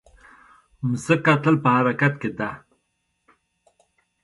مځکه تل په حرکت کې ده.